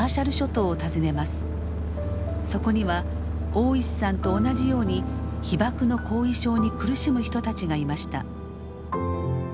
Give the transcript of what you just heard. そこには大石さんと同じように被ばくの後遺症に苦しむ人たちがいました。